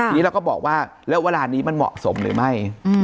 ทีนี้เราก็บอกว่าแล้วเวลานี้มันเหมาะสมหรือไม่